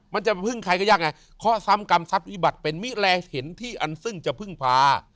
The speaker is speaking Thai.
มันจะพึ่งใครก็ยากไงข้อซ้ำกรรมทรัพย์วิบัติเป็นมิแลเห็นที่อันซึ่งจะพึ่งพา